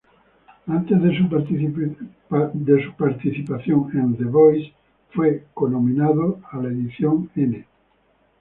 Antes de su participación en "The Voice", fue co-nominado a la edición No.